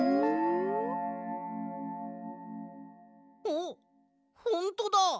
あっほんとだ！